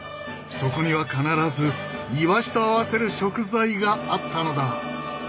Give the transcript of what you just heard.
そこには必ずイワシと合わせる食材があったのだ。